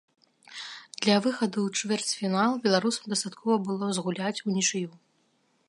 Для выхаду ў чвэрцьфінал беларусам дастаткова было згуляць унічыю.